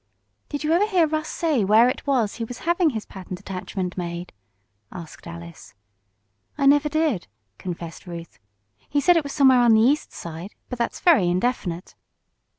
"Did you ever hear Russ say where it was he was having his patent attachment made?" asked Alice. "I never did," confessed Ruth. "He said it was somewhere on the East Side, but that's very indefinite."